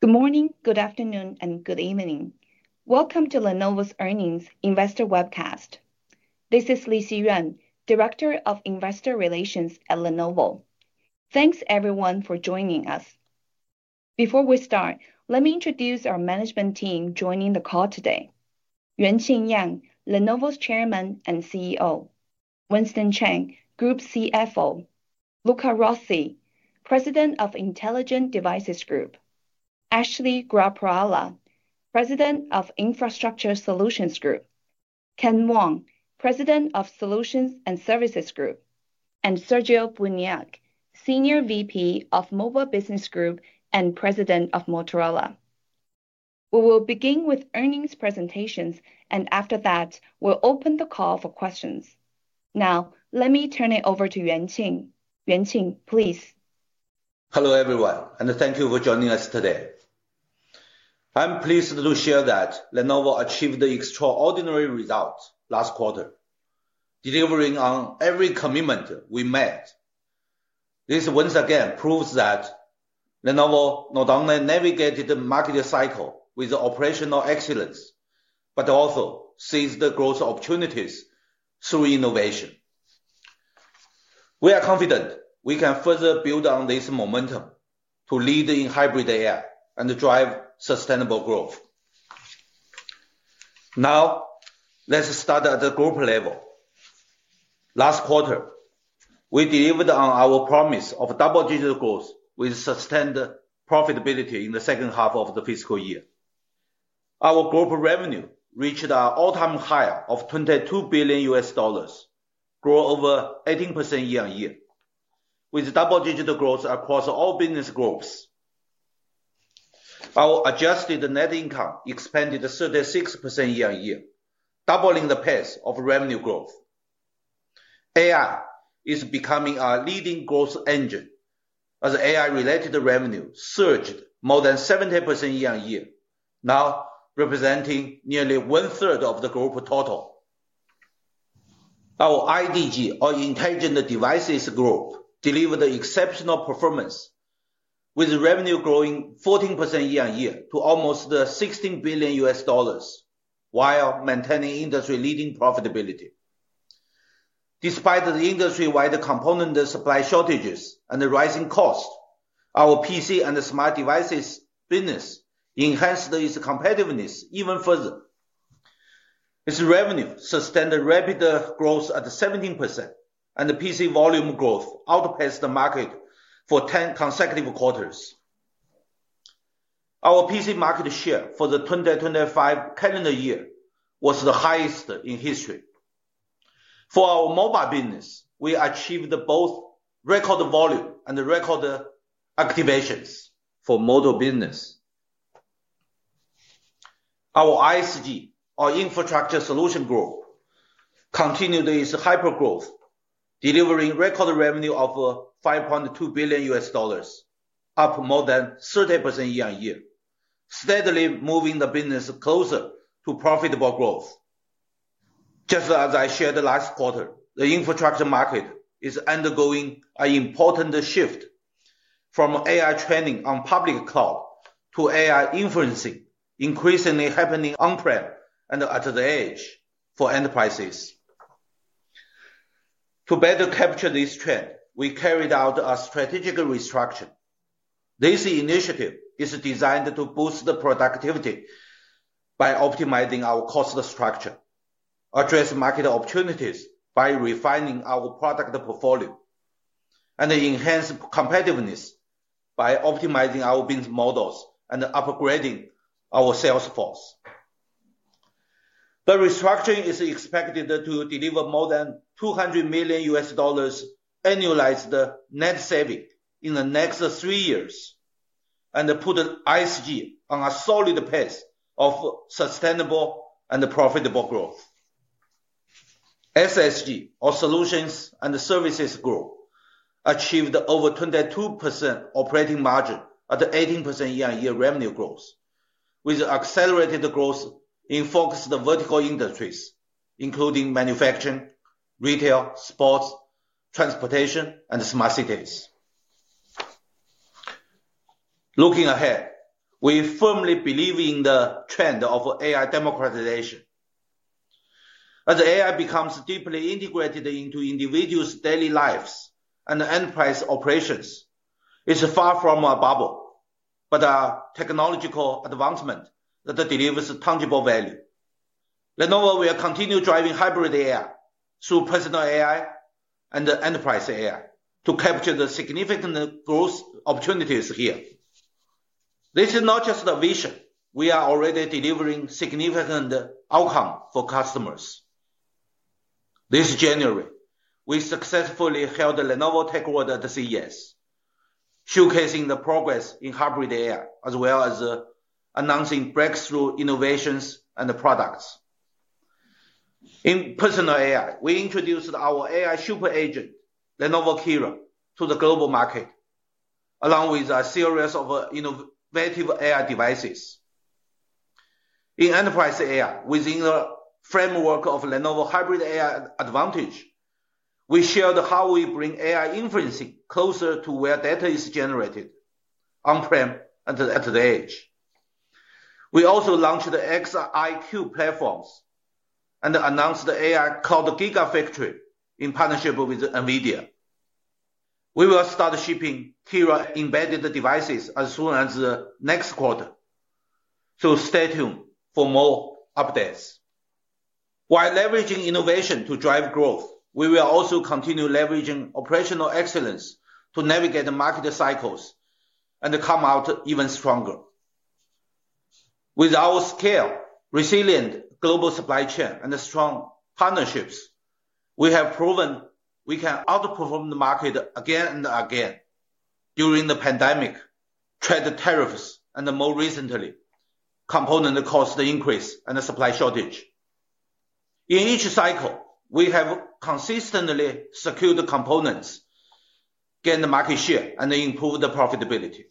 Good morning, good afternoon, and good evening. Welcome to Lenovo's Earnings Investor Webcast. This is Lixi Yuan, Director of Investor Relations at Lenovo. Thanks everyone for joining us. Before we start, let me introduce our management team joining the call today. Yuanqing Yang, Lenovo's Chairman and CEO. Winston Cheng, Group CFO. Luca Rossi, President of Intelligent Devices Group. Ashley Gorakhpurwalla, President of Infrastructure Solutions Group. Ken Wong, President of Solutions and Services Group. Sergio Buniac, Senior VP of Mobile Business Group and President of Motorola. We will begin with earnings presentations, and after that, we'll open the call for questions. Now, let me turn it over to Yuanqing. Yuanqing, please. Hello, everyone, and thank you for joining us today. I'm pleased to share that Lenovo achieved the extraordinary results last quarter, delivering on every commitment we made. This once again proves that Lenovo not only navigated the market cycle with operational excellence, but also seized the growth opportunities through innovation. We are confident we can further build on this momentum to lead in hybrid AI and drive sustainable growth. Now, let's start at the group level. Last quarter, we delivered on our promise of double-digit growth with sustained profitability in the second half of the fiscal year. Our global revenue reached an all-time high of $22 billion, grew over 18% year-over-year, with double-digit growth across all business groups. Our adjusted net income expanded 36% year-over-year, doubling the pace of revenue growth. AI is becoming our leading growth engine, as AI-related revenue surged more than 70% year-on-year, now representing nearly one-third of the group total. Our IDG, or Intelligent Devices Group, delivered exceptional performance, with revenue growing 14% year-on-year to almost $16 billion, while maintaining industry-leading profitability. Despite the industry-wide component supply shortages and the rising cost, our PC and the smart devices business enhanced its competitiveness even further. Its revenue sustained rapid growth at 17%, and the PC volume growth outpaced the market for 10 consecutive quarters. Our PC market share for the 2025 calendar year was the highest in history. For our mobile business, we achieved both record volume and record activations for mobile business. Our ISG, our Infrastructure Solutions Group, continued its hypergrowth, delivering record revenue of $5.2 billion, up more than 30% year-on-year, steadily moving the business closer to profitable growth. Just as I shared the last quarter, the infrastructure market is undergoing an important shift from AI training on public cloud to AI inferencing, increasingly happening on-prem and at the edge for enterprises. To better capture this trend, we carried out a strategic restructure. This initiative is designed to boost the productivity by optimizing our cost structure, address market opportunities by refining our product portfolio, and enhance competitiveness by optimizing our business models and upgrading our sales force. The restructuring is expected to deliver more than $200 million annualized net saving in the next three years, and put ISG on a solid path of sustainable and profitable growth. SSG, our Solutions and Services Group, achieved over 22% operating margin at 18% year-on-year revenue growth, with accelerated growth in focused vertical industries, including manufacturing, retail, sports, transportation, and smart cities. Looking ahead, we firmly believe in the trend of AI democratization. As AI becomes deeply integrated into individuals' daily lives and enterprise operations, it's far from a bubble, but a technological advancement that delivers tangible value. Lenovo will continue driving hybrid AI through personal AI and enterprise AI to capture the significant growth opportunities here. This is not just a vision. We are already delivering significant outcome for customers. This January, we successfully held the Lenovo Tech World at the CES, showcasing the progress in hybrid AI, as well as, announcing breakthrough innovations and the products. In personal AI, we introduced our AI super agent, Lenovo Qira, to the global market, along with a series of innovative AI devices.... In enterprise AI, within the framework of Lenovo Hybrid AI Advantage, we shared how we bring AI inferencing closer to where data is generated, on-prem, and at the edge. We also launched the xIQ platforms and announced the AI cloud gigafactory in partnership with NVIDIA. We will start shipping Qira-embedded devices as soon as the next quarter, so stay tuned for more updates. While leveraging innovation to drive growth, we will also continue leveraging operational excellence to navigate the market cycles and come out even stronger. With our scale, resilient global supply chain, and strong partnerships, we have proven we can outperform the market again and again during the pandemic, trade tariffs, and more recently, component cost increase and supply shortage. In each cycle, we have consistently secured the components, gained the market share, and improved the profitability.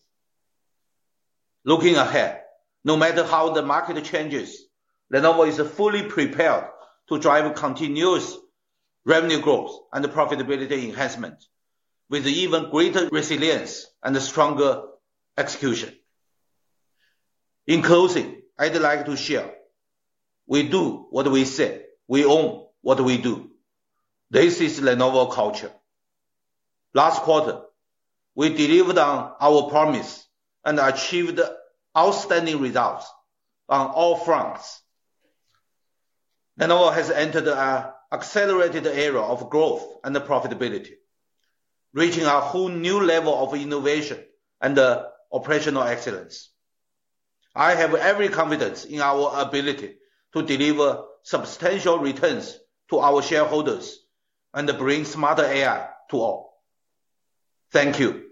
Looking ahead, no matter how the market changes, Lenovo is fully prepared to drive continuous revenue growth and profitability enhancement with even greater resilience and stronger execution. In closing, I'd like to share: we do what we say, we own what we do. This is Lenovo culture. Last quarter, we delivered on our promise and achieved outstanding results on all fronts. Lenovo has entered an accelerated era of growth and profitability, reaching a whole new level of innovation and operational excellence. I have every confidence in our ability to deliver substantial returns to our shareholders and bring smarter AI to all. Thank you.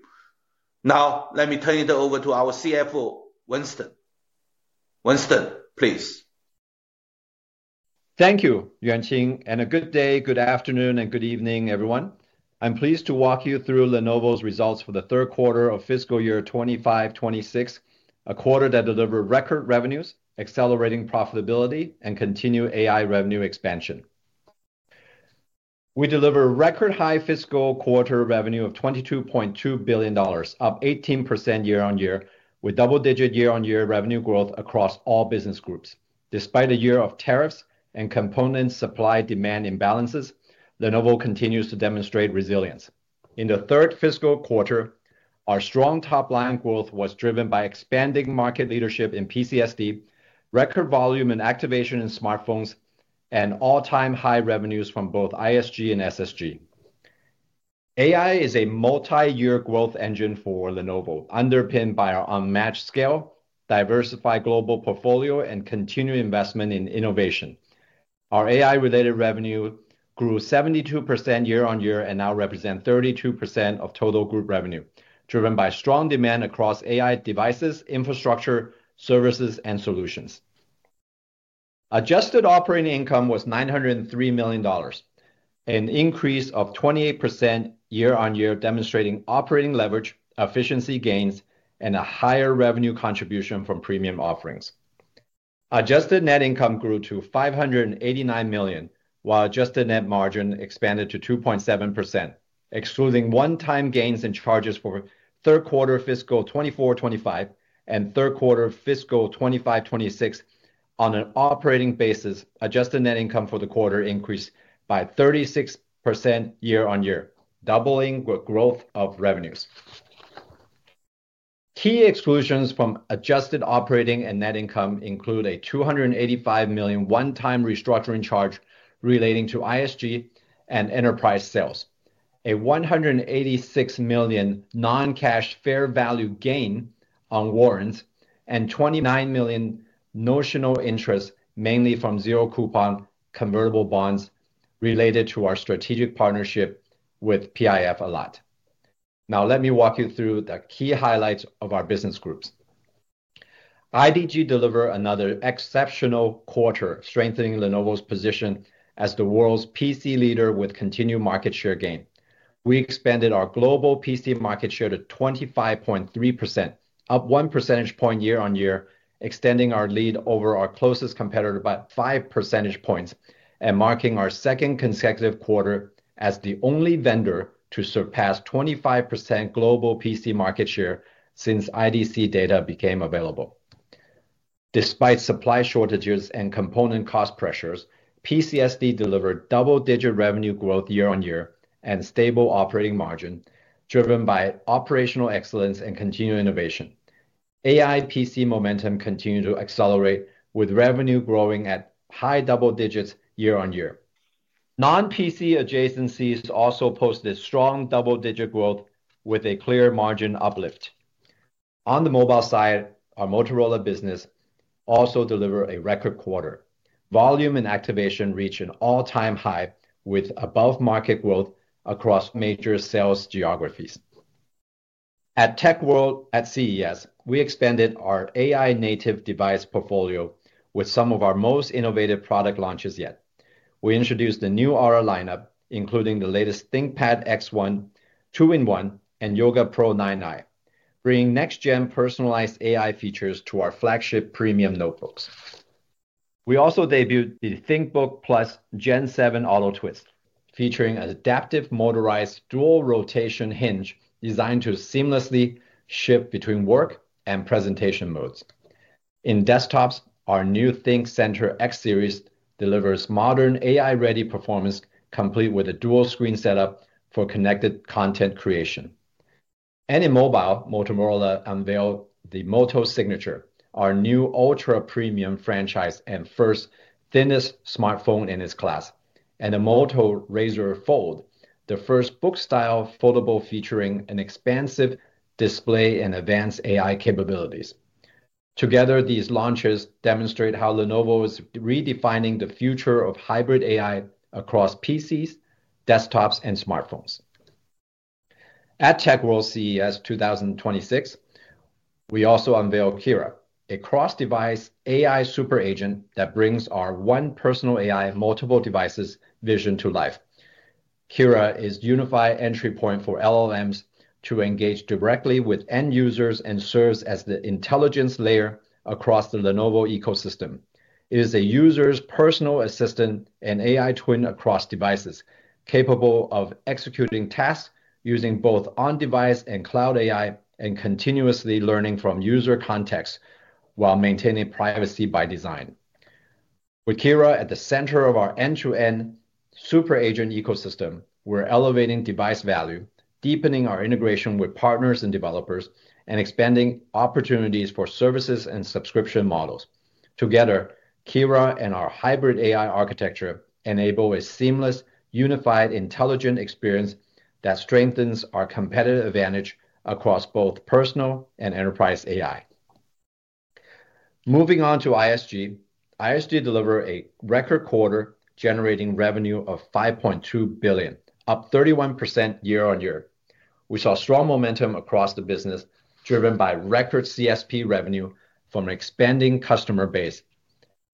Now, let me turn it over to our CFO, Winston. Winston, please. Thank you, Yuanqing, and a good day, good afternoon, and good evening, everyone. I'm pleased to walk you through Lenovo's results for the third quarter of fiscal year 25, 26. A quarter that delivered record revenues, accelerating profitability, and continued AI revenue expansion. We delivered record high fiscal quarter revenue of $22.2 billion, up 18% year-on-year, with double-digit year-on-year revenue growth across all business groups. Despite a year of tariffs and component supply-demand imbalances, Lenovo continues to demonstrate resilience. In the third fiscal quarter, our strong top-line growth was driven by expanding market leadership in PCSD, record volume and activation in smartphones, and all-time high revenues from both ISG and SSG. AI is a multi-year growth engine for Lenovo, underpinned by our unmatched scale, diversified global portfolio, and continued investment in innovation. Our AI-related revenue grew 72% year-over-year and now represent 32% of total group revenue, driven by strong demand across AI devices, infrastructure, services, and solutions. Adjusted operating income was $903 million, an increase of 28% year-over-year, demonstrating operating leverage, efficiency gains, and a higher revenue contribution from premium offerings. Adjusted net income grew to $589 million, while adjusted net margin expanded to 2.7%, excluding one-time gains and charges for third quarter fiscal 2024-2025 and third quarter fiscal 2025-2026. On an operating basis, adjusted net income for the quarter increased by 36% year-over-year, doubling the growth of revenues. Key exclusions from adjusted operating and net income include a $285 million one-time restructuring charge relating to ISG and enterprise sales, a $186 million non-cash fair value gain on warrants, and $29 million notional interest, mainly from zero coupon convertible bonds related to our strategic partnership with PIF Alat. Now, let me walk you through the key highlights of our business groups. IDG delivered another exceptional quarter, strengthening Lenovo's position as the world's PC leader with continued market share gain. We expanded our global PC market share to 25.3%, up one percentage point year-on-year, extending our lead over our closest competitor by 5 percentage points, and marking our second consecutive quarter as the only vendor to surpass 25% global PC market share since IDC data became available. Despite supply shortages and component cost pressures, PCSD delivered double-digit revenue growth year-over-year and stable operating margin, driven by operational excellence and continued innovation. AI PC momentum continued to accelerate, with revenue growing at high double digits year-over-year. Non-PC adjacencies also posted strong double-digit growth with a clear margin uplift. On the mobile side, our Motorola business also delivered a record quarter. Volume and activation reached an all-time high, with above-market growth across major sales geographies. At Tech World at CES, we expanded our AI-native device portfolio with some of our most innovative product launches yet. We introduced the new Aura lineup, including the latest ThinkPad X1 2-in-1, and Yoga Pro 9i, bringing next-gen personalized AI features to our flagship premium notebooks. We also debuted the ThinkBook Plus Gen 7 Auto Twist, featuring an adaptive motorized dual-rotation hinge designed to seamlessly shift between work and presentation modes. In desktops, our new ThinkCentre X Series delivers modern AI-ready performance, complete with a dual-screen setup for connected content creation. In mobile, Motorola unveiled the Moto Signature, our new ultra-premium franchise and first thinnest smartphone in its class, and a Moto Razr Fold, the first book-style foldable featuring an expansive display and advanced AI capabilities. Together, these launches demonstrate how Lenovo is redefining the future of hybrid AI across PCs, desktops, and smartphones. At Tech World CES 2026, we also unveiled Kira, a cross-device AI super agent that brings our one personal AI, multiple devices vision to life. Kira is unified entry point for LLMs to engage directly with end users and serves as the intelligence layer across the Lenovo ecosystem. It is a user's personal assistant and AI twin across devices, capable of executing tasks using both on-device and cloud AI, and continuously learning from user context while maintaining privacy by design. With Kira at the center of our end-to-end super agent ecosystem, we're elevating device value, deepening our integration with partners and developers, and expanding opportunities for services and subscription models. Together, Qira and our hybrid AI architecture enable a seamless, unified, intelligent experience that strengthens our competitive advantage across both personal and enterprise AI. Moving on to ISG. ISG delivered a record quarter, generating revenue of $5.2 billion, up 31% year-on-year. We saw strong momentum across the business, driven by record CSP revenue from an expanding customer base,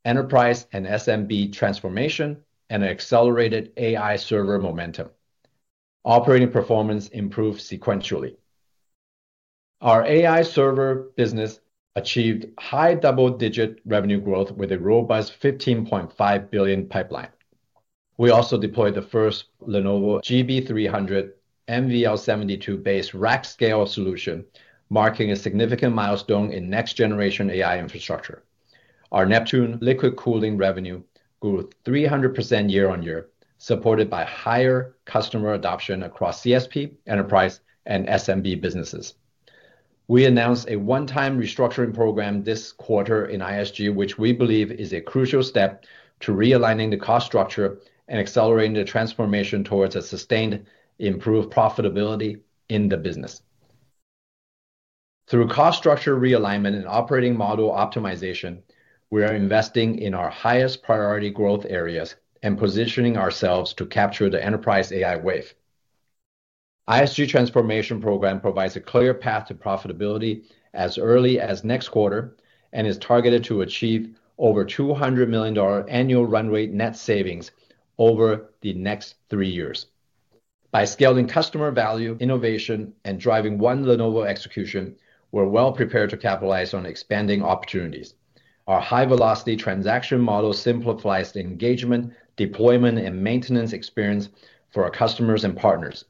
enterprise and SMB transformation, and accelerated AI server momentum. Operating performance improved sequentially. Our AI server business achieved high double-digit revenue growth with a robust $15.5 billion pipeline. We also deployed the first Lenovo GB300 NVL72-based rack-scale solution, marking a significant milestone in next-generation AI infrastructure. Our Neptune liquid cooling revenue grew 300% year-on-year, supported by higher customer adoption across CSP, enterprise, and SMB businesses. We announced a one-time restructuring program this quarter in ISG, which we believe is a crucial step to realigning the cost structure and accelerating the transformation towards a sustained, improved profitability in the business. Through cost structure realignment and operating model optimization, we are investing in our highest priority growth areas and positioning ourselves to capture the enterprise AI wave. ISG transformation program provides a clear path to profitability as early as next quarter, and is targeted to achieve over $200 million annual run rate net savings over the next three years. By scaling customer value, innovation, and driving one Lenovo execution, we're well-prepared to capitalize on expanding opportunities. Our high-velocity transaction model simplifies the engagement, deployment, and maintenance experience for our customers and partners.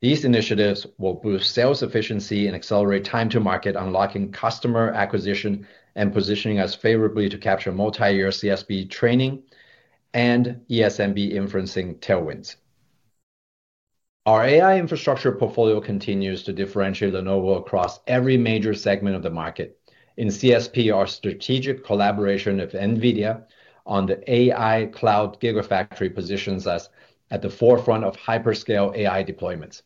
These initiatives will boost sales efficiency and accelerate time to market, unlocking customer acquisition and positioning us favorably to capture multi-year CSP training and ESMB inferencing tailwinds. Our AI infrastructure portfolio continues to differentiate Lenovo across every major segment of the market. In CSP, our strategic collaboration with NVIDIA on the AI Cloud Gigafactory positions us at the forefront of hyperscale AI deployments.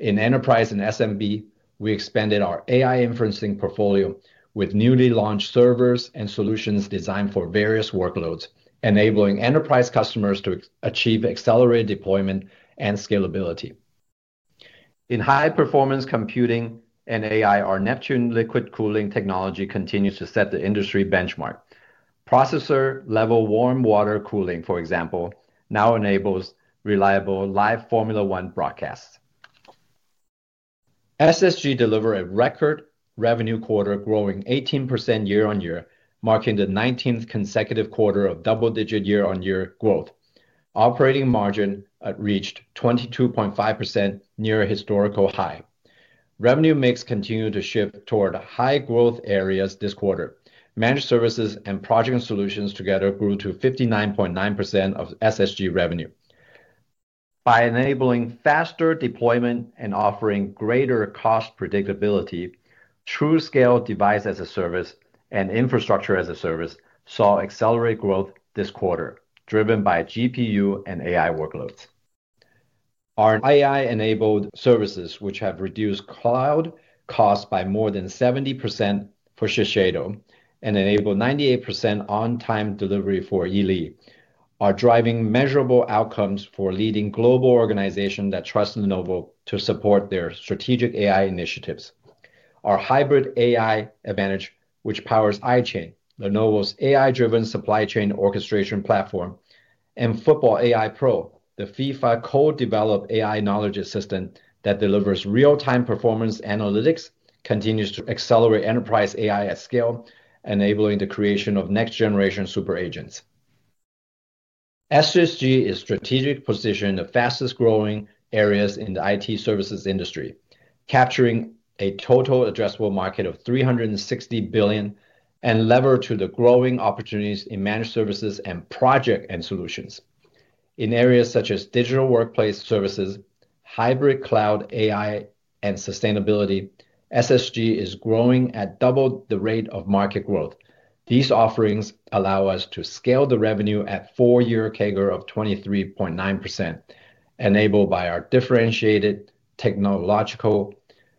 In enterprise and SMB, we expanded our AI inferencing portfolio with newly launched servers and solutions designed for various workloads, enabling enterprise customers to achieve accelerated deployment and scalability. In high-performance computing and AI, our Neptune liquid-cooled servers continues to set the industry benchmark. Processor-level warm water cooling, for example, now enables reliable live Formula One broadcasts. SSG delivered a record revenue quarter, growing 18% year-on-year, marking the nineteenth consecutive quarter of double-digit year-on-year growth. Operating margin reached 22.5%, near a historical high. Revenue mix continued to shift toward high-growth areas this quarter. Managed services and project solutions together grew to 59.9% of SSG revenue. By enabling faster deployment and offering greater cost predictability, TruScale Device as a Service and Infrastructure as a Service saw accelerated growth this quarter, driven by GPU and AI workloads. Our AI-enabled services, which have reduced cloud costs by more than 70% for Shiseido and enabled 98% on-time delivery for Yili, are driving measurable outcomes for leading global organizations that trust Lenovo to support their strategic AI initiatives. Our hybrid AI advantage, which powers iChain, Lenovo's AI-driven supply chain orchestration platform, and Football AI Pro, the FIFA co-developed AI knowledge assistant that delivers real-time performance analytics, continues to accelerate enterprise AI at scale, enabling the creation of next-generation super agents. SSG is strategically positioned in the fastest-growing areas in the IT services industry, capturing a total addressable market of $360 billion, and leveraging the growing opportunities in managed services and projects and solutions. In areas such as digital workplace services, hybrid cloud AI, and sustainability, SSG is growing at double the rate of market growth. These offerings allow us to scale the revenue at four year CAGR of 23.9%, enabled by our differentiated technological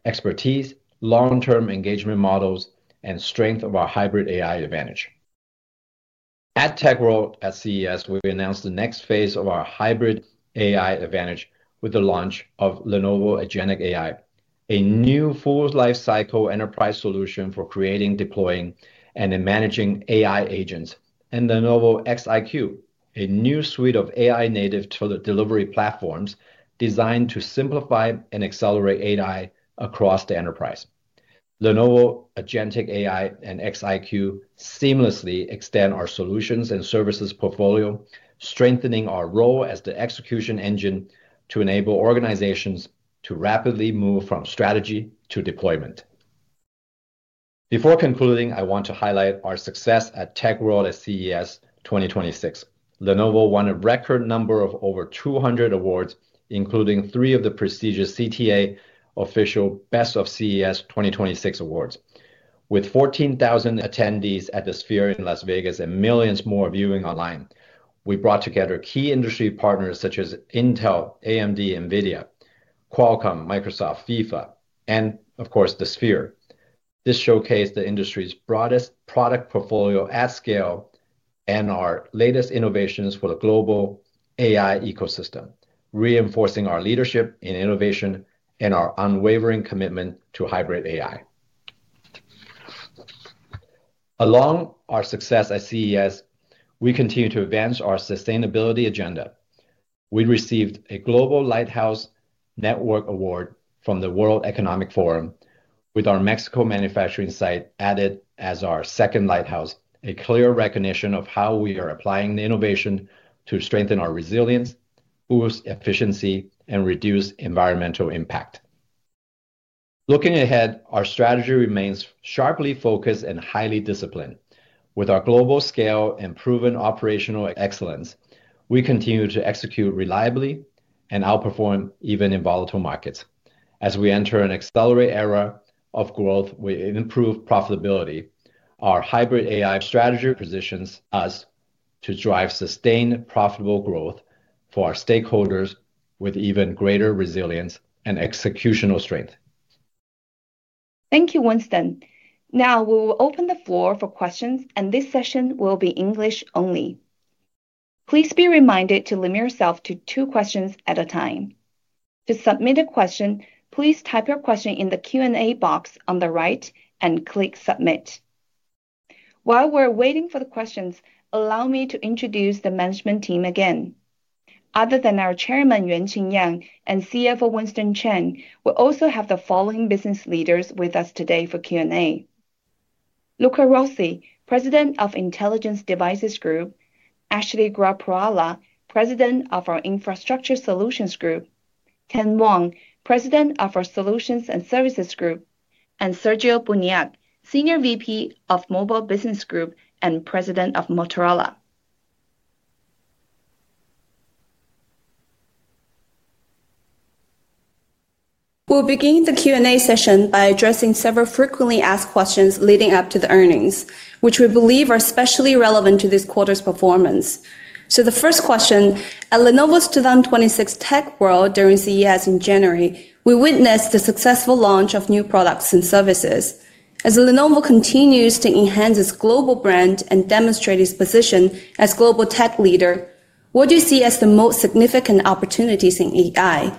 expertise, long-term engagement models, and strength of our hybrid AI advantage. At Tech World at CES, we announced the next phase of our hybrid AI advantage with the launch of Lenovo Agentic AI, a new full lifecycle enterprise solution for creating, deploying, and in managing AI agents, and Lenovo xIQ, a new suite of AI-native to the delivery platforms designed to simplify and accelerate AI across the enterprise. Lenovo Agentic AI and xIQ seamlessly extend our solutions and services portfolio, strengthening our role as the execution engine to enable organizations to rapidly move from strategy to deployment. Before concluding, I want to highlight our success at Tech World at CES 2026. Lenovo won a record number of over 200 awards, including three of the prestigious CTA official Best of CES 2026 awards. With 14,000 attendees at the Sphere in Las Vegas and millions more viewing online, we brought together key industry partners such as Intel, AMD, NVIDIA, Qualcomm, Microsoft, FIFA, and of course, the Sphere. This showcased the industry's broadest product portfolio at scale and our latest innovations for the global AI ecosystem, reinforcing our leadership in innovation and our unwavering commitment to hybrid AI. Along our success at CES, we continue to advance our sustainability agenda. We received a Global Lighthouse Network Award from the World Economic Forum, with our Mexico manufacturing site added as our second lighthouse, a clear recognition of how we are applying the innovation to strengthen our resilience, boost efficiency, and reduce environmental impact. Looking ahead, our strategy remains sharply focused and highly disciplined. With our global scale and proven operational excellence, we continue to execute reliably and outperform even in volatile markets. As we enter an accelerated era of growth with improved profitability, our hybrid AI strategy positions us to drive sustained, profitable growth for our stakeholders with even greater resilience and executional strength. Thank you, Winston. Now we will open the floor for questions, and this session will be English only. Please be reminded to limit yourself to two questions at a time. To submit a question, please type your question in the Q&A box on the right and click Submit. While we're waiting for the questions, allow me to introduce the management team again. Other than our chairman, Yuanqing Yang, and CFO, Winston Cheng, we also have the following business leaders with us today for Q&A. Luca Rossi, President of Intelligent Devices Group, Ashley Gorakhpurwalla, President of our Infrastructure Solutions Group, Ken Wong, President of our Solutions and Services Group, and Sergio Buniac, Senior VP of Mobile Business Group and President of Motorola. We'll begin the Q&A session by addressing several frequently asked questions leading up to the earnings, which we believe are especially relevant to this quarter's performance. So the first question: At Lenovo's 2026 Tech World during CES in January, we witnessed the successful launch of new products and services. As Lenovo continues to enhance its global brand and demonstrate its position as global tech leader, what do you see as the most significant opportunities in AI?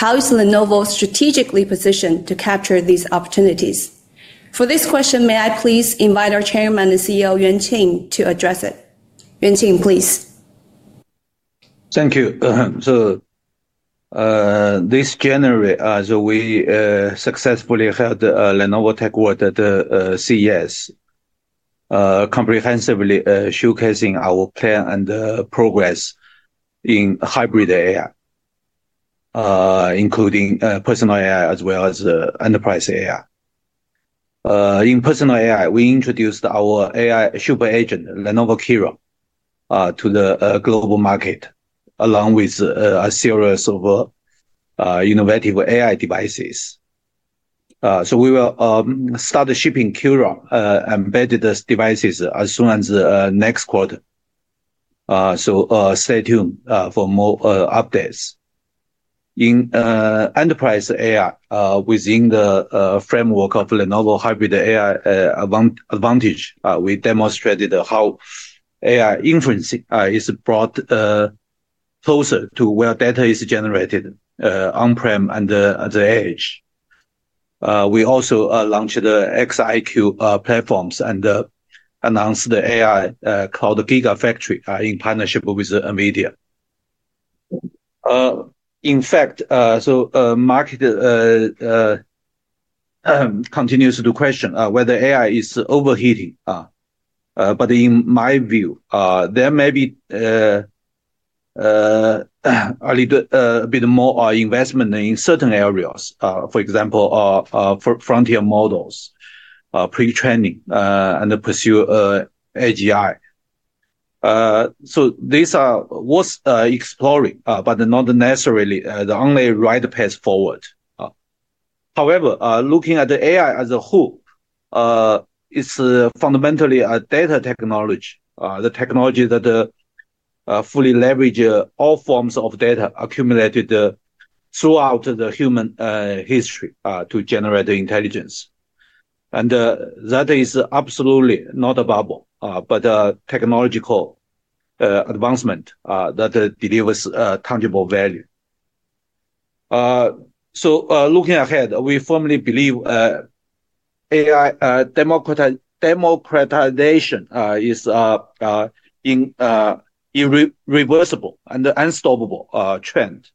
How is Lenovo strategically positioned to capture these opportunities? For this question, may I please invite our Chairman and CEO, Yuanqing, to address it. Yuanqing, please. Thank you. So, this January, we successfully held Lenovo Tech World at the CES, comprehensively showcasing our plan and progress in hybrid AI, including personal AI as well as enterprise AI. In personal AI, we introduced our AI super agent, Lenovo Kira, to the global market, along with a series of innovative AI devices. So we will start shipping Kira embedded devices as soon as next quarter. So, stay tuned for more updates. In enterprise AI, within the framework of Lenovo Hybrid AI, advantage, we demonstrated how AI inference is brought closer to where data is generated, on-prem and at the edge. We also launched the X IQ platforms and announced the AI Cloud Gigafactory in partnership with NVIDIA. In fact, so market continues to question whether AI is overheating. But in my view, there may be a little bit more investment in certain areas. For example, for frontier models, pre-training, and pursue AGI. So these are worth exploring, but not necessarily the only right path forward. However, looking at the AI as a whole, it's fundamentally a data technology. The technology that fully leverage all forms of data accumulated throughout the human history to generate the intelligence. That is absolutely not a bubble, but a technological advancement that delivers tangible value. So, looking ahead, we firmly believe AI democratization is an irreversible and unstoppable trend.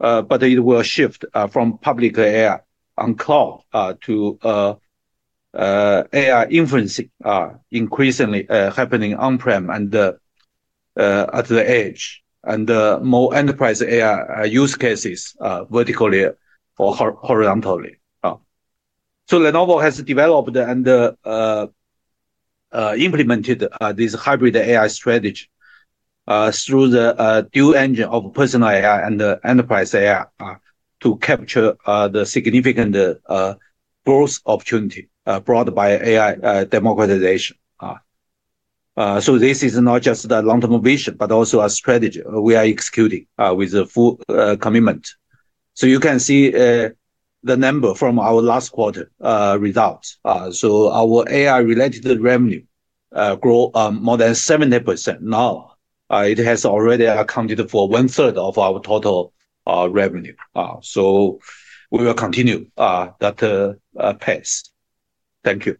But it will shift from public AI on cloud to AI inferencing increasingly happening on-prem and at the edge, and more enterprise AI use cases vertically or horizontally. So Lenovo has developed and implemented this hybrid AI strategy through the dual engine of personal AI and the enterprise AI to capture the significant growth opportunity brought by AI democratization. So this is not just a long-term vision, but also a strategy we are executing with a full commitment. So you can see the number from our last quarter results. So our AI-related revenue grow more than 70%. Now it has already accounted for one third of our total revenue. So we will continue that pace. Thank you.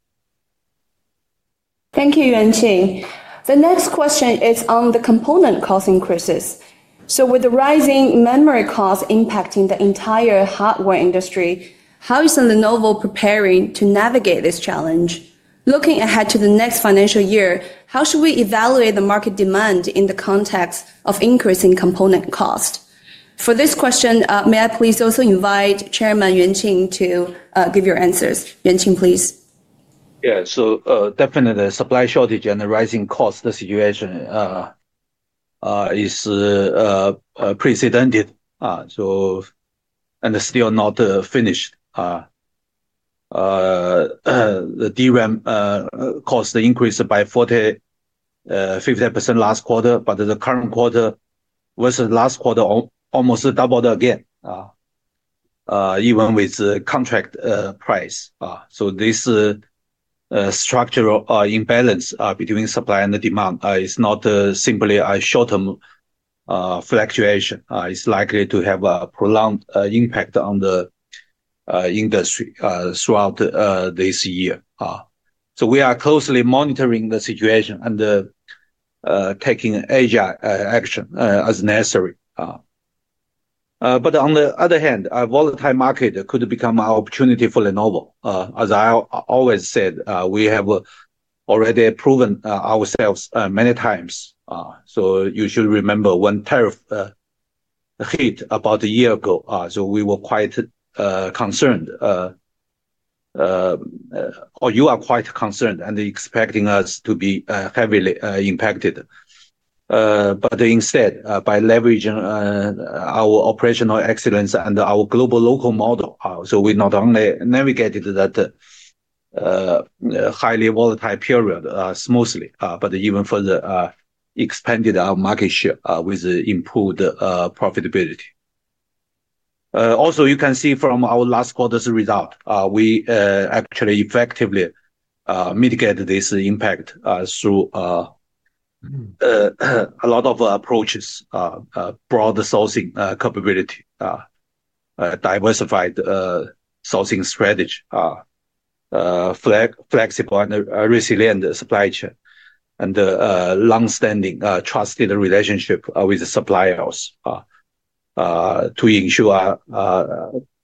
Thank you, Yuanqing. The next question is on the component cost increases. So with the rising memory costs impacting the entire hardware industry, how is Lenovo preparing to navigate this challenge? Looking ahead to the next financial year, how should we evaluate the market demand in the context of increasing component cost? For this question, may I please also invite Chairman Yuanqing to give your answers. Yuanqing, please. Yeah. So, definitely supply shortage and the rising cost situation is unprecedented, so, and still not finished. The DRAM cost increased by 40%-50% last quarter, but the current quarter versus last quarter, almost doubled again, even with the contract price. So this structural imbalance between supply and the demand is not simply a short-term fluctuation. It's likely to have a prolonged impact on the industry throughout this year. So we are closely monitoring the situation and taking agile action as necessary. But on the other hand, a volatile market could become an opportunity for Lenovo. As I always said, we have already proven ourselves many times. So you should remember when tariff hit about a year ago, so we were quite concerned. Or you are quite concerned and expecting us to be heavily impacted. But instead, by leveraging our operational excellence and our global local model, so we not only navigated that highly volatile period smoothly, but even further expanded our market share with improved profitability. Also, you can see from our last quarter's result, we actually effectively mitigated this impact through a lot of approaches, broader sourcing capability, diversified sourcing strategy, flexible and resilient supply chain, and longstanding trusted relationship with the suppliers to ensure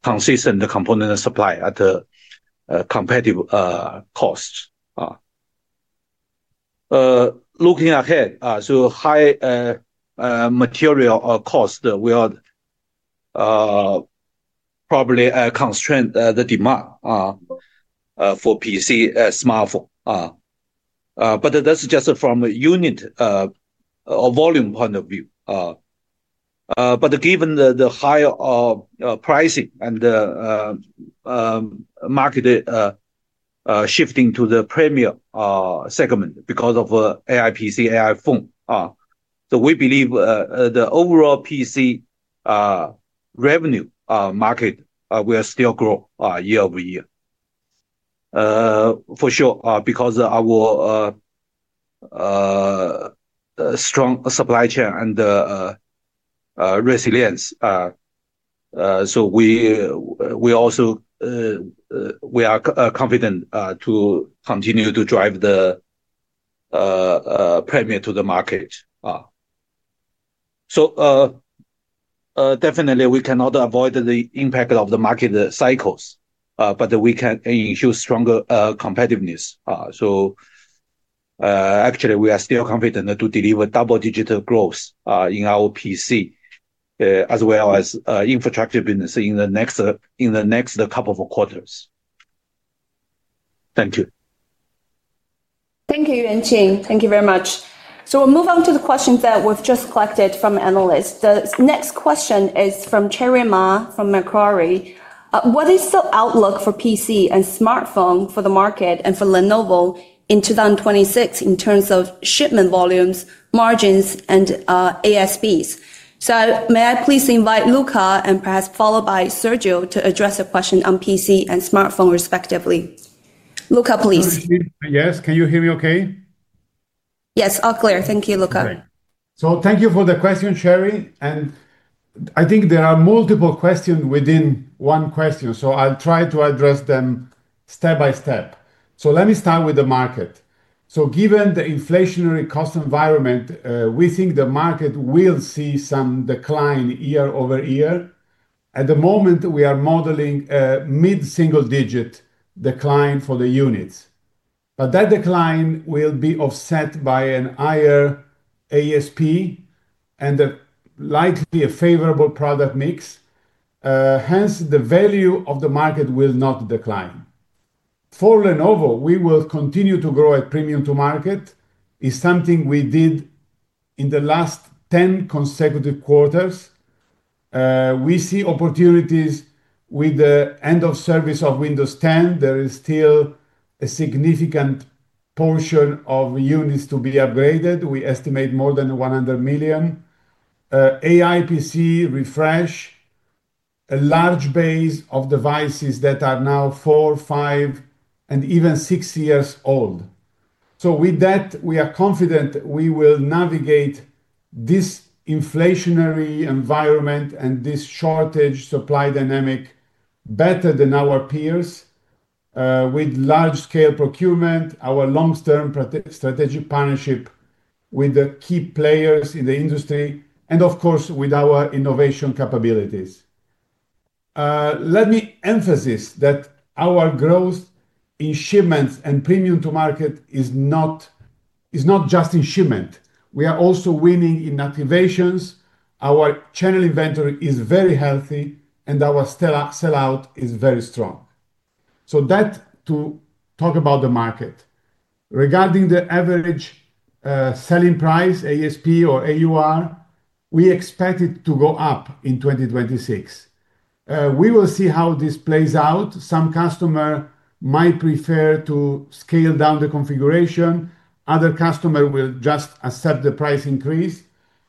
consistent component supply at a competitive cost. Looking ahead, so high material cost will probably constraint the demand for PC smartphone, but that's just from a unit volume point of view. But given the higher pricing and the market shifting to the premium segment because of AI PC, AI phone, so we believe the overall PC revenue market will still grow year-over-year. For sure, because our strong supply chain and resilience. So we also are confident to continue to drive the premium to the market. So definitely we cannot avoid the impact of the market cycles, but we can ensure stronger competitiveness. So actually, we are still confident to deliver double-digit growth in our PC as well as infrastructure business in the next couple of quarters. Thank you. Thank you, Yuanqing. Thank you very much. So we'll move on to the questions that we've just collected from analysts. The next question is from Cherry Ma from Macquarie. What is the outlook for PC and smartphone for the market and for Lenovo in 2026 in terms of shipment volumes, margins, and ASPs? So may I please invite Luca and perhaps followed by Sergio to address the question on PC and smartphone, respectively. Luca, please. Yes. Can you hear me okay? Yes, all clear. Thank you, Luca. Okay. Thank you for the question, Cherry, and I think there are multiple questions within one question, so I'll try to address them step by step. Let me start with the market. Given the inflationary cost environment, we think the market will see some decline year-over-year. At the moment, we are modeling a mid-single-digit decline for the units, but that decline will be offset by a higher ASP and a likely favorable product mix. Hence, the value of the market will not decline. For Lenovo, we will continue to grow at premium to market. It's something we did in the last 10 consecutive quarters. We see opportunities with the end of service of Windows 10. There is still a significant portion of units to be upgraded. We estimate more than 100 million. AI PC refresh, a large base of devices that are now four, five, and even six years old. So with that, we are confident we will navigate this inflationary environment and this shortage supply dynamic better than our peers, with large-scale procurement, our long-term strategic partnership with the key players in the industry, and of course, with our innovation capabilities. Let me emphasize that our growth in shipments and premium to market is not, is not just in shipment, we are also winning in activations. Our channel inventory is very healthy, and our stellar sell-out is very strong. So to talk about the market. Regarding the average selling price, ASP or AUR, we expect it to go up in 2026. We will see how this plays out. Some customer might prefer to scale down the configuration, other customer will just accept the price increase.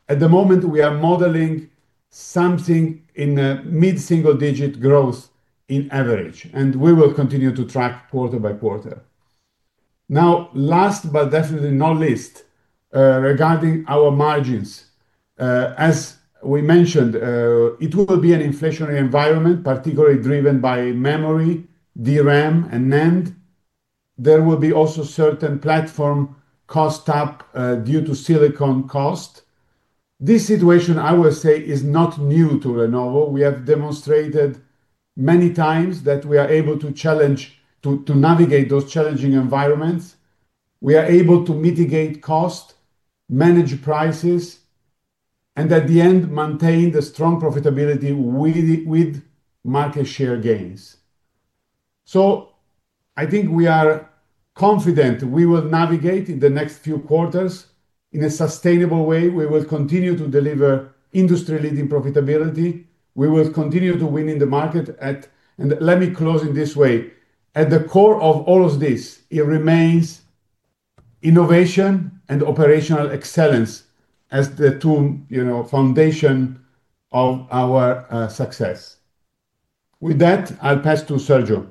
At the moment, we are modeling something in a mid-single-digit growth in average, and we will continue to track quarter by quarter. Now, last but definitely not least, regarding our margins. As we mentioned, it will be an inflationary environment, particularly driven by memory, DRAM and NAND. There will be also certain platform cost up, due to silicon cost. This situation, I will say, is not new to Lenovo. We have demonstrated many times that we are able to navigate those challenging environments. We are able to mitigate cost, manage prices, and at the end, maintain the strong profitability with market share gains. So I think we are confident we will navigate in the next few quarters in a sustainable way. We will continue to deliver industry-leading profitability. We will continue to win in the market at... Let me close in this way. At the core of all of this, it remains innovation and operational excellence as the two, you know, foundation of our success. With that, I'll pass to Sergio.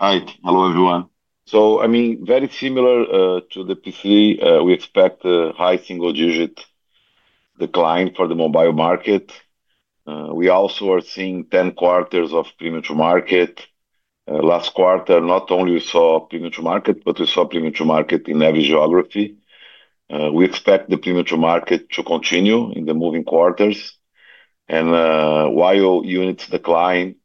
Hi. Hello, everyone. So I mean, very similar to the PC, we expect a high single-digit decline for the mobile market. We also are seeing 10 quarters of premium to market. Last quarter, not only we saw premium to market, but we saw premium to market in every geography. We expect the premium to market to continue in the coming quarters. And while units decline,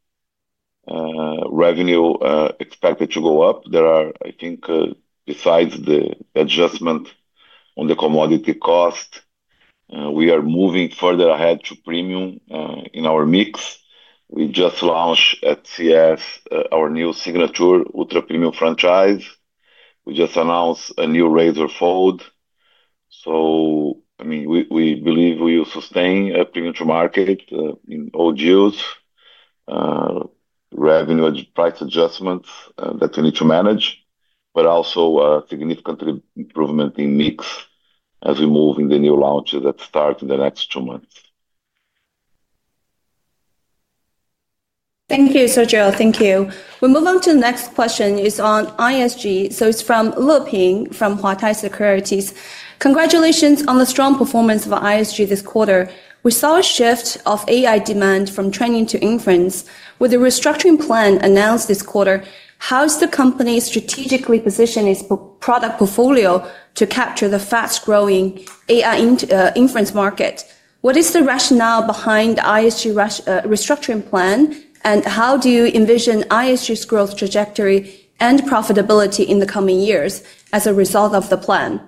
revenue expected to go up, there are, I think, besides the adjustment on the commodity cost, we are moving further ahead to premium in our mix. We just launched at CES, our new signature Ultra Premium franchise. We just announced a new Razr fold. So, I mean, we, we believe we will sustain a premium to market in all geos. Revenue price adjustments that we need to manage, but also a significant improvement in mix as we move in the new launches that start in the next two months.... Thank you, Sojo. Thank you. We'll move on to the next question, it's on ISG, so it's from Leping, from Huatai Securities. Congratulations on the strong performance of ISG this quarter. We saw a shift of AI demand from training to inference. With the restructuring plan announced this quarter, how's the company strategically position its product portfolio to capture the fast-growing AI inference market? What is the rationale behind ISG restructuring plan? And how do you envision ISG's growth trajectory and profitability in the coming years as a result of the plan?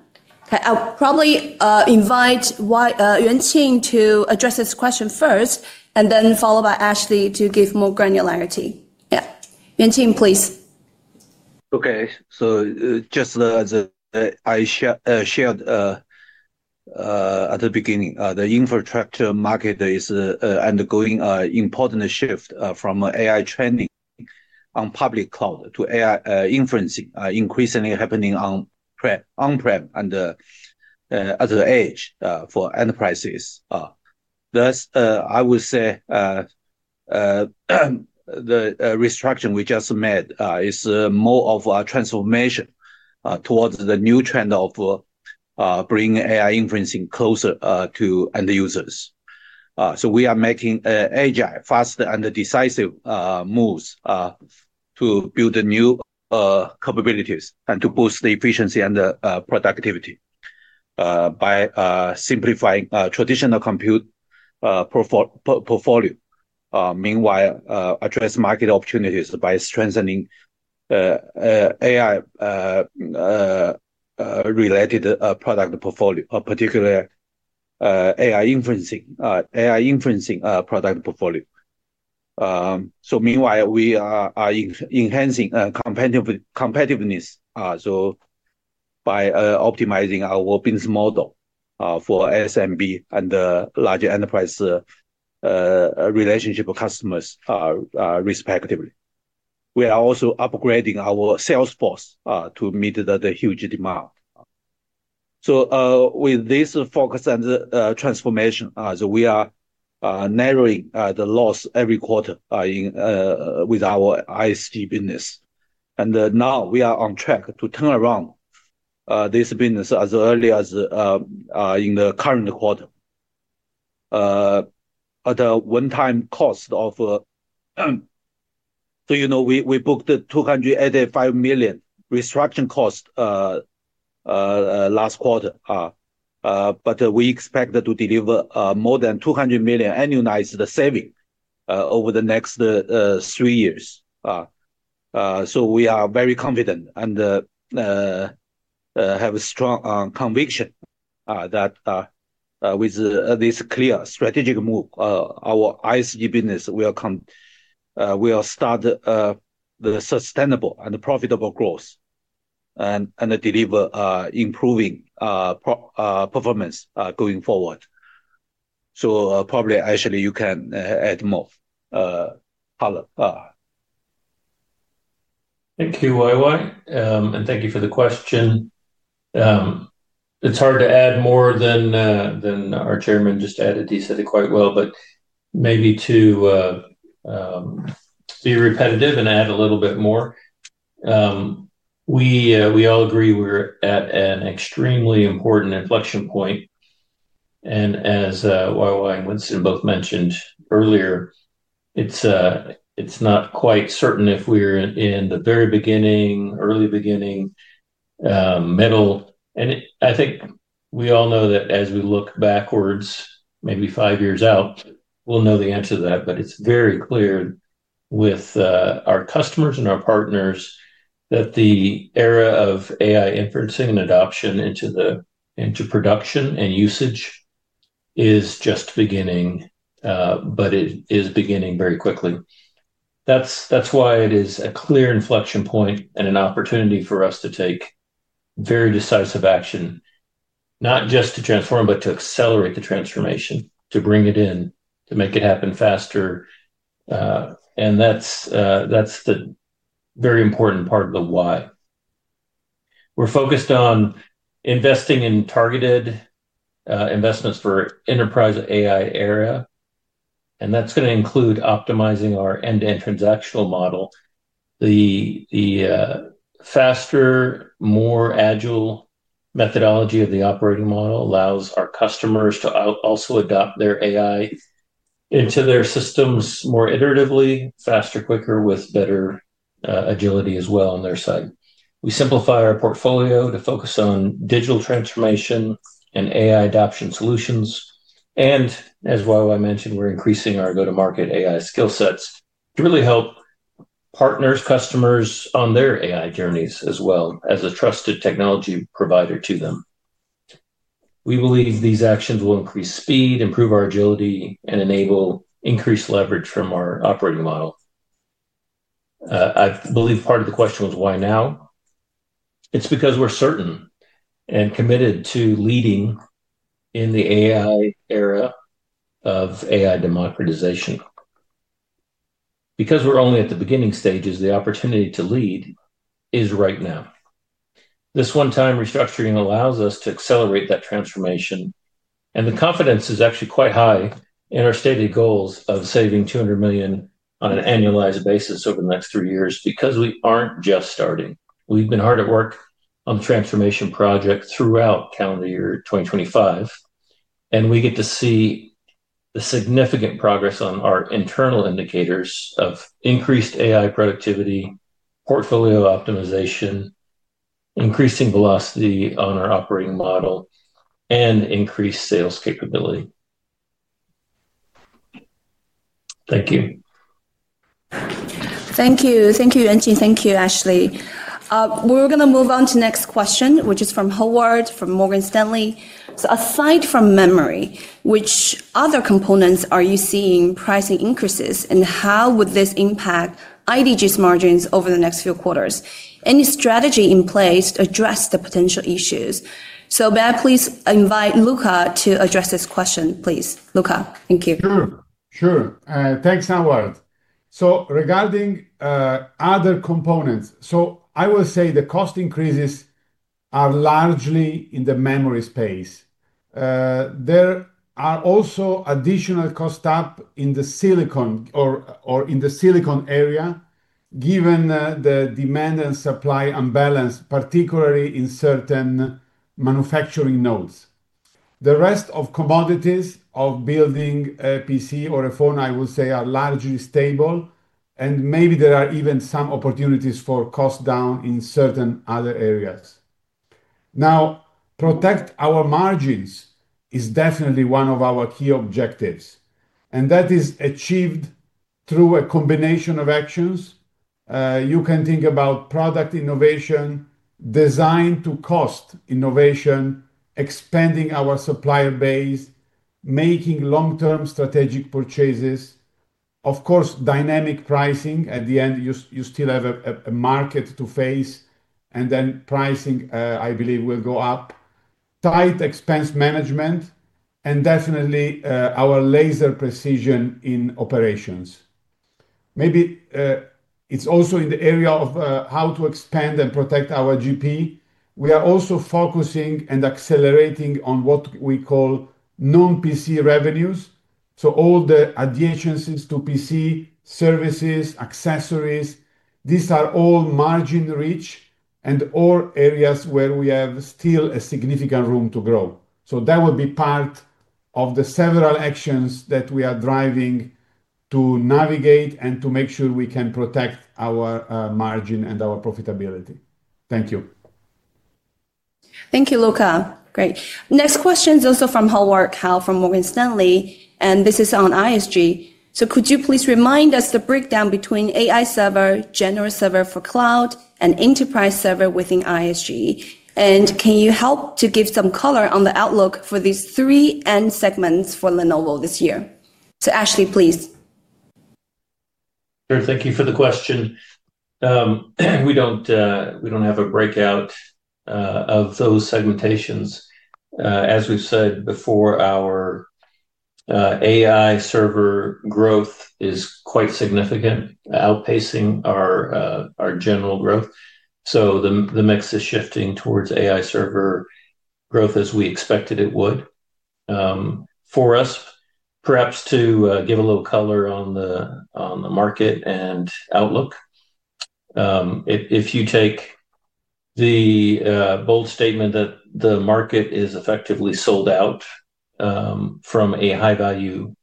Okay, I'll probably invite Yuanqing to address this question first, and then followed by Ashley to give more granularity. Yeah. Yuanqing, please. Okay. So, just as I shared at the beginning, the infrastructure market is undergoing an important shift from AI training on public cloud to AI inferencing increasingly happening on-prem and at the edge for enterprises. Thus, I would say, the restructuring we just made is more of a transformation towards the new trend of bringing AI inferencing closer to end users. So we are making agile, faster, and decisive moves to build the new capabilities and to boost the efficiency and the productivity by simplifying traditional compute portfolio. Meanwhile, address market opportunities by strengthening AI-related product portfolio, particularly AI inferencing product portfolio. Meanwhile, we are enhancing competitiveness by optimizing our business model for SMB and the larger enterprise relationship with customers, respectively. We are also upgrading our sales force to meet the huge demand. So, with this focus and transformation, we are narrowing the loss every quarter with our ISG business. And now we are on track to turn around this business as early as in the current quarter. At a one-time cost of, you know, we booked $285 million restructuring cost last quarter. But we expect to deliver more than $200 million annualized savings over the next three years. So we are very confident and have a strong conviction that with this clear strategic move, our ISG business will start the sustainable and profitable growth and deliver improving performance going forward. So probably, Ashley, you can add more color. Thank you, YY, and thank you for the question. It's hard to add more than than our chairman just added. He said it quite well, but maybe to be repetitive and add a little bit more. We all agree we're at an extremely important inflection point, and as YY and Winston both mentioned earlier, it's not quite certain if we're in the very beginning, early beginning, middle. And I think we all know that as we look backwards, maybe five years out, we'll know the answer to that. But it's very clear with our customers and our partners, that the era of AI inferencing and adoption into production and usage is just beginning, but it is beginning very quickly. That's why it is a clear inflection point and an opportunity for us to take very decisive action, not just to transform, but to accelerate the transformation, to bring it in, to make it happen faster. That's the very important part of the why. We're focused on investing in targeted investments for enterprise AI era, and that's gonna include optimizing our end-to-end transactional model. The faster, more agile methodology of the operating model allows our customers to also adopt their AI into their systems more iteratively, faster, quicker, with better agility as well on their side. We simplify our portfolio to focus on digital transformation and AI adoption solutions. As YY mentioned, we're increasing our go-to-market AI skill sets to really help partners, customers on their AI journeys, as well as a trusted technology provider to them. We believe these actions will increase speed, improve our agility, and enable increased leverage from our operating model. I believe part of the question was why now? It's because we're certain and committed to leading in the AI era of AI democratization. Because we're only at the beginning stages, the opportunity to lead is right now.... This one-time restructuring allows us to accelerate that transformation, and the confidence is actually quite high in our stated goals of saving $200 million on an annualized basis over the next three years, because we aren't just starting. We've been hard at work on the transformation project throughout calendar year 2025, and we get to see the significant progress on our internal indicators of increased AI productivity, portfolio optimization, increasing velocity on our operating model, and increased sales capability. Thank you. Thank you. Thank you, Yuanqing. Thank you, Ashley. We're going to move on to next question, which is from Howard, from Morgan Stanley. Aside from memory, which other components are you seeing pricing increases, and how would this impact IDG's margins over the next few quarters? Any strategy in place to address the potential issues? May I please invite Luca to address this question, please. Luca, thank you. Sure. Sure. Thanks, Howard. So regarding other components, so I will say the cost increases are largely in the memory space. There are also additional cost up in the silicon or, or in the silicon area, given the demand and supply imbalance, particularly in certain manufacturing nodes. The rest of commodities of building a PC or a phone, I would say, are largely stable, and maybe there are even some opportunities for cost down in certain other areas. Now, protect our margins is definitely one of our key objectives, and that is achieved through a combination of actions. You can think about product innovation, design to cost innovation, expanding our supplier base, making long-term strategic purchases. Of course, dynamic pricing, at the end, you still have a market to face, and then pricing, I believe, will go up. Tight expense management and definitely, our laser precision in operations. Maybe, it's also in the area of, how to expand and protect our GP. We are also focusing and accelerating on what we call non-PC revenues, so all the adjacencies to PC, services, accessories, these are all margin rich and all areas where we have still a significant room to grow. So that would be part of the several actions that we are driving to navigate and to make sure we can protect our margin and our profitability. Thank you. Thank you, Luca. Great. Next question is also from Howard Kao from Morgan Stanley, and this is on ISG. So could you please remind us the breakdown between AI server, general server for cloud, and enterprise server within ISG? And can you help to give some color on the outlook for these three end segments for Lenovo this year? So, Ashley, please. Sure. Thank you for the question. We don't, we don't have a breakout of those segmentations. As we've said before, our AI server growth is quite significant, outpacing our our general growth. So the mix is shifting towards AI server growth, as we expected it would. For us, perhaps to give a little color on the market and outlook, if you take the bold statement that the market is effectively sold out, from a high-value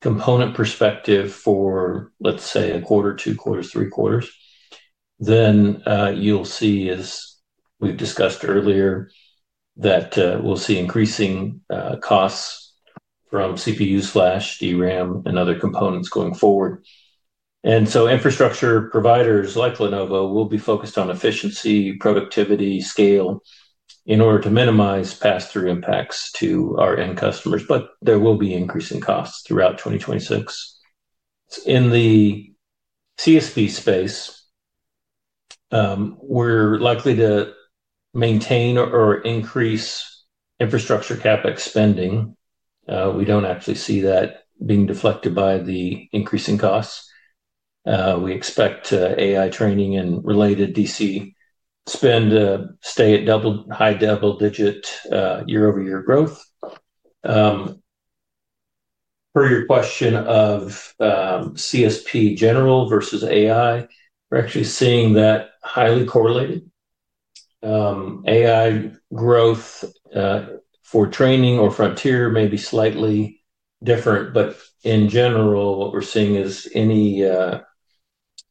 component perspective for, let's say, a quarter, 2 quarters, 3 quarters, then you'll see, as we've discussed earlier, that we'll see increasing costs from CPUs, flash, DRAM, and other components going forward. Infrastructure providers like Lenovo will be focused on efficiency, productivity, scale, in order to minimize pass-through impacts to our end customers, but there will be increasing costs throughout 2026. In the CSP space, we're likely to maintain or increase infrastructure CapEx spending. We don't actually see that being deflected by the increasing costs. We expect AI training and related DC spend to stay at high double-digit year-over-year growth. Per your question of CSP general versus AI, we're actually seeing that highly correlated. AI growth for training or frontier may be slightly different, but in general, what we're seeing is any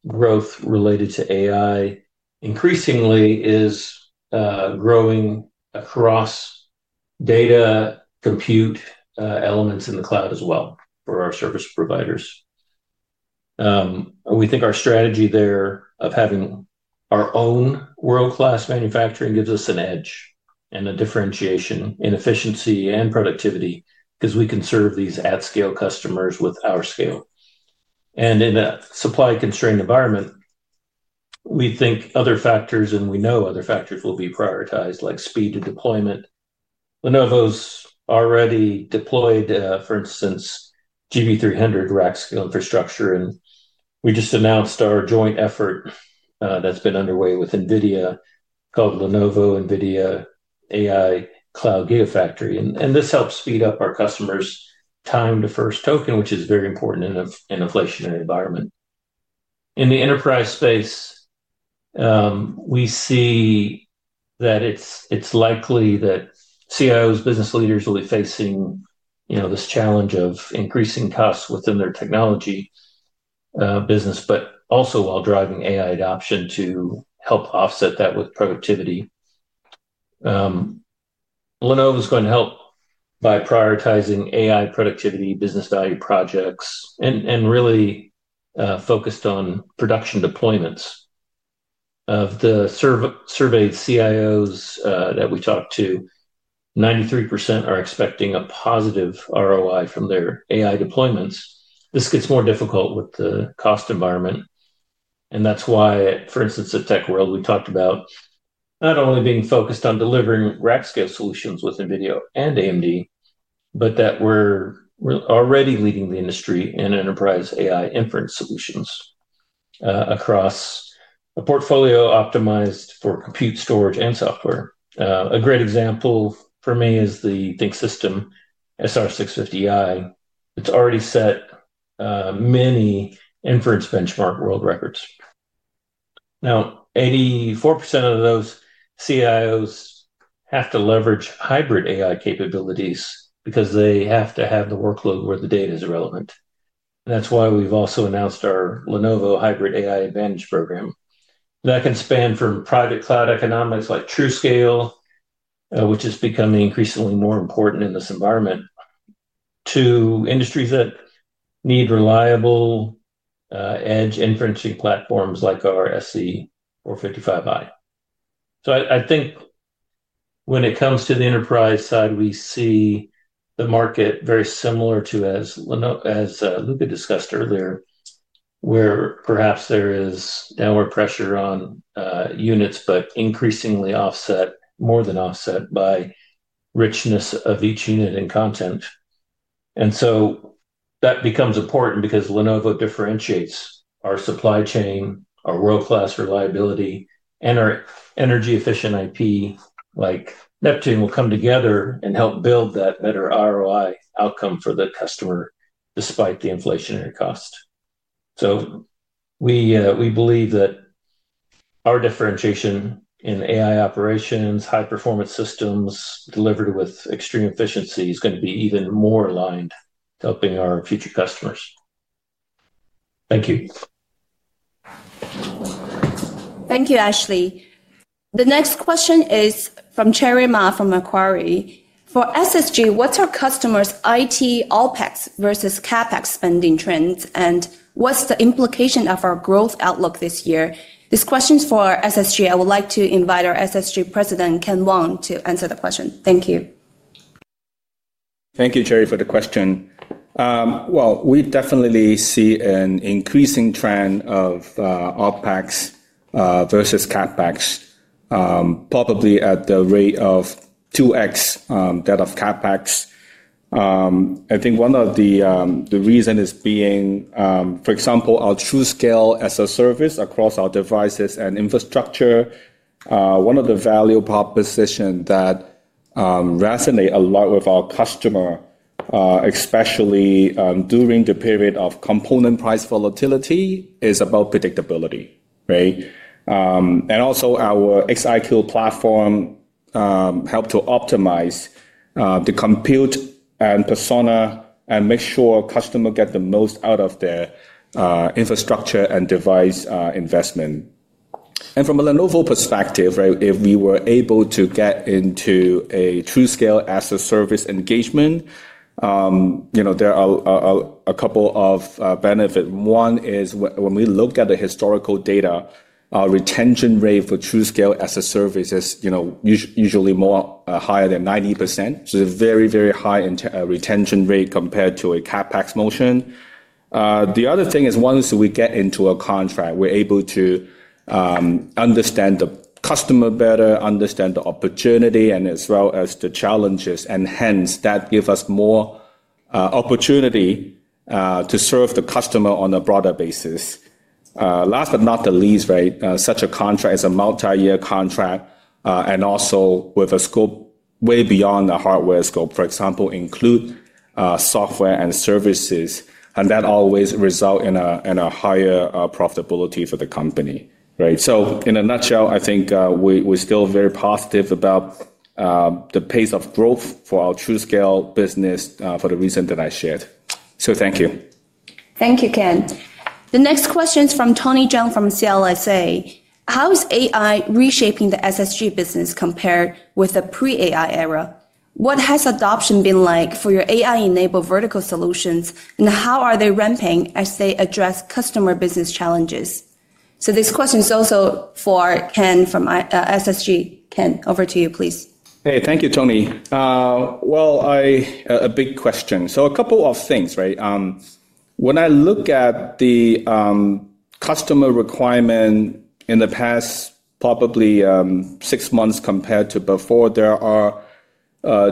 growth related to AI increasingly is growing across data, compute elements in the cloud as well for our service providers. We think our strategy there of having our own world-class manufacturing gives us an edge and a differentiation in efficiency and productivity, 'cause we can serve these at-scale customers with our scale. And in a supply-constrained environment, we think other factors, and we know other factors, will be prioritized, like speed to deployment. Lenovo's already deployed, for instance, GB300 rack-scale infrastructure, and we just announced our joint effort that's been underway with NVIDIA, called Lenovo NVIDIA AI Cloud Gigafactory. And this helps speed up our customers' time to first token, which is very important in an inflationary environment. In the enterprise space, we see that it's likely that CIOs, business leaders will be facing, you know, this challenge of increasing costs within their technology business, but also while driving AI adoption to help offset that with productivity. Lenovo is going to help by prioritizing AI productivity, business value projects, and really focused on production deployments. Of the surveyed CIOs that we talked to, 93% are expecting a positive ROI from their AI deployments. This gets more difficult with the cost environment, and that's why, for instance, at Tech World, we talked about not only being focused on delivering rack-scale solutions with NVIDIA and AMD, but that we're already leading the industry in enterprise AI inference solutions across a portfolio optimized for compute, storage, and software. A great example for me is the ThinkSystem SR650i. It's already set many inference benchmark world records. Now, 84% of those CIOs have to leverage hybrid AI capabilities because they have to have the workload where the data is relevant. That's why we've also announced our Lenovo Hybrid AI Advantage program. That can span from private cloud economics like TruScale, which is becoming increasingly more important in this environment, to industries that need reliable edge inferencing platforms like our SE455i. So I think when it comes to the enterprise side, we see the market very similar to as Luca discussed earlier, where perhaps there is downward pressure on units, but increasingly offset, more than offset, by richness of each unit and content. And so that becomes important because Lenovo differentiates our supply chain, our world-class reliability, and our energy-efficient IP, like Neptune, will come together and help build that better ROI outcome for the customer despite the inflationary cost. So we believe that our differentiation in AI operations, high-performance systems delivered with extreme efficiency, is going to be even more aligned to helping our future customers. Thank you. Thank you, Ashley. The next question is from Cherry Ma from Macquarie: For SSG, what's our customers' IT OpEx versus CapEx spending trends, and what's the implication of our growth outlook this year? This question is for SSG. I would like to invite our SSG President, Ken Wong, to answer the question. Thank you. Thank you, Cherry, for the question. Well, we definitely see an increasing trend of OpEx versus CapEx, probably at the rate of 2x that of CapEx. I think one of the reason is, for example, our TruScale as a service across our devices and infrastructure. One of the value proposition that resonate a lot with our customer, especially during the period of component price volatility, is about predictability, right? And also our xIQ platform help to optimize the compute and persona, and make sure customer get the most out of their infrastructure and device investment. And from a Lenovo perspective, right, if we were able to get into a TruScale as-a-service engagement, you know, there are a couple of benefit. One is when we look at the historical data, our retention rate for TruScale as a service is, you know, usually more higher than 90%, so a very, very high retention rate compared to a CapEx motion. The other thing is, once we get into a contract, we're able to understand the customer better, understand the opportunity, and as well as the challenges, and hence, that give us more opportunity to serve the customer on a broader basis. Last but not the least, right, such a contract is a multi-year contract, and also with a scope way beyond the hardware scope. For example, include software and services, and that always result in a higher profitability for the company, right? In a nutshell, I think, we're still very positive about the pace of growth for our TruScale business, for the reason that I shared. So thank you. Thank you, Ken. The next question is from Tony Zhang from CLSA: How is AI reshaping the SSG business compared with the pre-AI era? What has adoption been like for your AI-enabled vertical solutions, and how are they ramping as they address customer business challenges? So this question is also for Ken from SSG. Ken, over to you, please. Hey, thank you, Tony. Well, a big question. So a couple of things, right? When I look at the customer requirement in the past, probably, six months compared to before, there are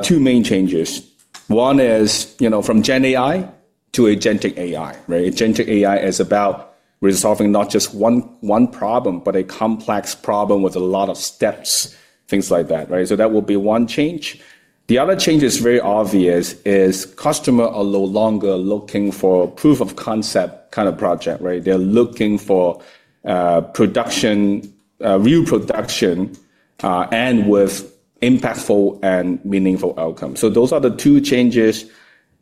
two main changes. One is, you know, from Gen AI to agentic AI, right? Agentic AI is about resolving not just one, one problem, but a complex problem with a lot of steps, things like that, right? So that will be one change. The other change is very obvious, is customer are no longer looking for proof of concept kind of project, right? They're looking for production, real production, and with impactful and meaningful outcomes. So those are the two changes,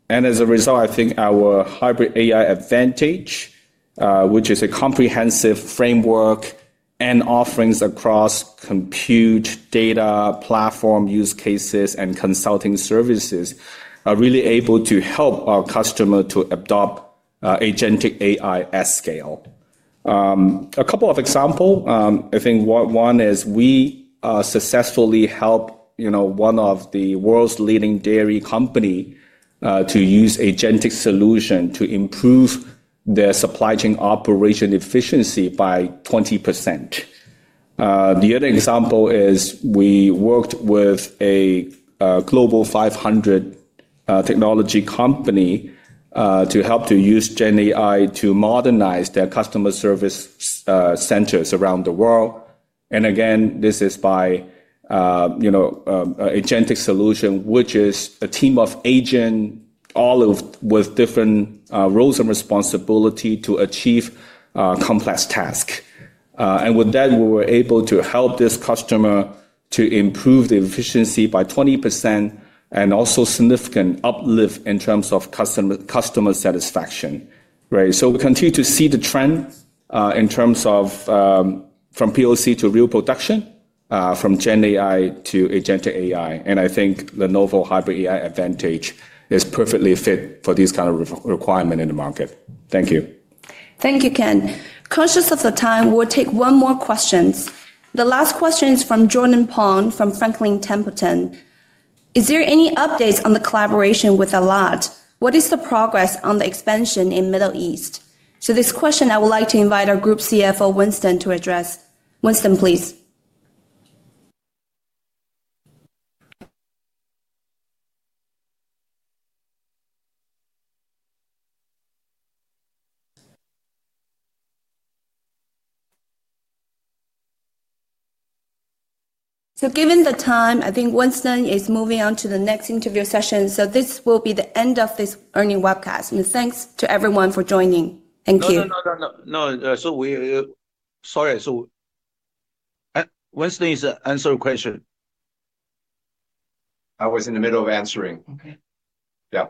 and as a result, I think our hybrid AI advantage, which is a comprehensive framework and offerings across compute, data, platform use cases, and consulting services, are really able to help our customer to adopt agentic AI at scale. A couple of example, I think one is we successfully help, you know, one of the world's leading dairy company to use agentic solution to improve their supply chain operation efficiency by 20%. The other example is we worked with a Global 500 technology company to help to use Gen AI to modernize their customer service centers around the world. And again, this is by, you know, agentic solution, which is a team of agent, all of with different roles and responsibility to achieve complex task. With that, we were able to help this customer to improve the efficiency by 20%, and also significant uplift in terms of customer satisfaction, right? So we continue to see the trend, in terms of, from POC to real production, from Gen AI to agentic AI, and I think Lenovo Hybrid AI Advantage is perfectly fit for this kind of requirement in the market. Thank you. Thank you, Ken. Conscious of the time, we'll take one more question. The last question is from Jordan Pong, from Franklin Templeton: Is there any updates on the collaboration with Alat? What is the progress on the expansion in Middle East? So this question, I would like to invite our group CFO, Winston, to address. Winston, please. So given the time, I think Winston is moving on to the next interview session, so this will be the end of this earnings webcast. Thanks to everyone for joining. Thank you. No, no, no, no, no. Sorry, so, Winston is answering a question. I was in the middle of answering. Okay. Yeah.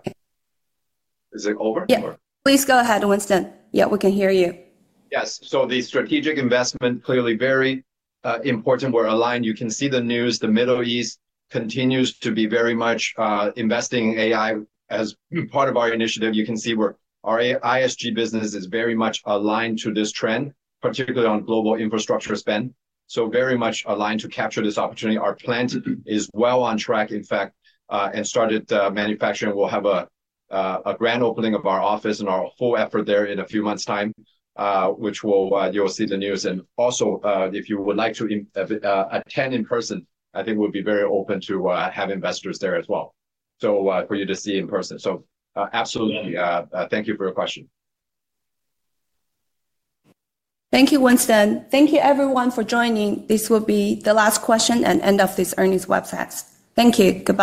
Is it over, or? Yeah. Please go ahead, Winston. Yeah, we can hear you. Yes, so the strategic investment, clearly very important. We're aligned. You can see the news. The Middle East continues to be very much investing in AI. As part of our initiative, you can see where our ISG business is very much aligned to this trend, particularly on global infrastructure spend, so very much aligned to capture this opportunity. Our plan is well on track, in fact, and started manufacturing. We'll have a grand opening of our office and our whole effort there in a few months' time, which will you will see the news. And also, if you would like to attend in person, I think we'll be very open to have investors there as well, so for you to see in person. So, absolutely, thank you for your question. Thank you, Winston. Thank you, everyone, for joining. This will be the last question and end of this earnings webcast. Thank you. Goodbye.